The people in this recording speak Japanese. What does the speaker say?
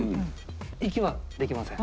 息はできません。